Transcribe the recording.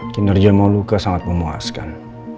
kinerja meluka sangat memuaskan